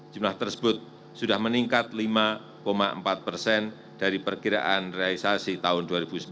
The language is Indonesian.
jumlah tersebut sudah meningkat lima empat persen dari perkiraan realisasi tahun dua ribu sembilan belas